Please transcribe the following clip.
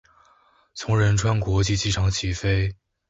从仁川国际机场起飞。